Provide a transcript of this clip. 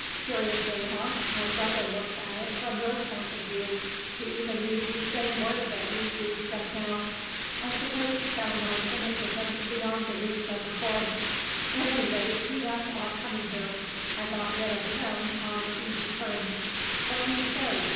Curiously enough my brother looks at it from your point of view he even used the same word that you used just now. I suppose he found my cynicism beyond the reach of reform. At any rate, he left off coming here. I got rid of him on easy terms. What do you say?